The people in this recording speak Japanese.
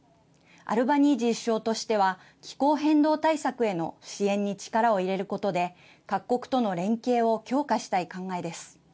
アルバニージー首相としては気候変動対策への支援に力を入れることで各国との連携を強化したい考えです。